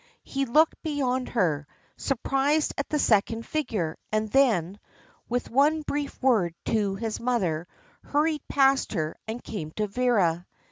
He looked beyond her, surprised at the second figure, and then, with one brief word to his mother, hurried past her and came to Vera.